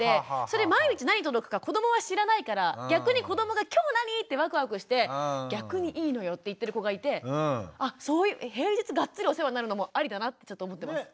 それ毎日何届くか子どもは知らないから逆に子どもが「今日何？」ってワクワクして「逆にいいのよ」って言ってる子がいてあ平日ガッツリお世話になるのもありだなってちょっと思ってます。